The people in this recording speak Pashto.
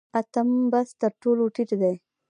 اتم بست تر ټولو ټیټ دی